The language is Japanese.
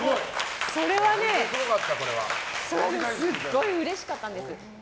それがすっごいうれしかったんです。